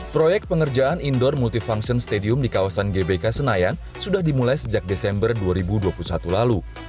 proyek pengerjaan indoor multifunction stadium di kawasan gbk senayan sudah dimulai sejak desember dua ribu dua puluh satu lalu